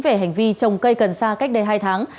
về hành vi trồng cây cần sa cách đây hai tháng